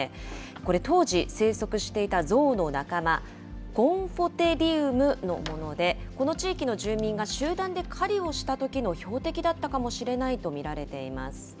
これ、当時、生息していたゾウの仲間、ゴンフォテリウムのもので、この地域の住民が集団で狩りをしたときの標的だったかもしれないと見られています。